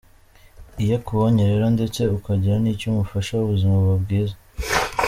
Iyo akubonye rero ndetse ukagira n’icyo umufasha mu buzima, buba bwiza.